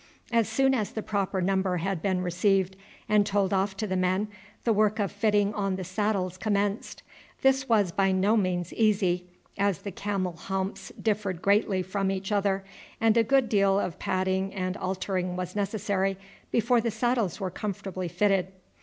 As soon as the proper number had been received and told off to the men, the work of fitting on the saddles commenced. This was by no means easy, as the camel humps differed greatly from each other, and a good deal of padding and altering was necessary before the saddles were comfortably fitted.